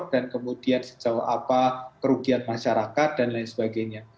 dan kemudian sejauh apa kerugian masyarakat dan lain sebagainya